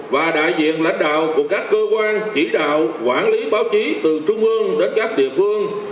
và đại diện lãnh đạo của các cơ quan chỉ đạo quản lý báo chí từ trung ương đến các địa phương